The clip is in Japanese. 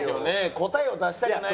答えを出したくない。